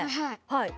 はい！